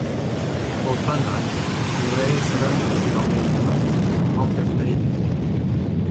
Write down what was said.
Fodd bynnag, yng ngwres yr ymgais i lofruddio, anghofiodd wneud hynny.